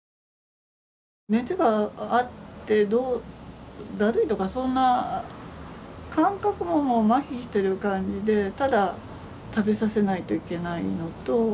熱があってだるいとかそんな感覚ももうまひしてる感じでただ食べさせないといけないのと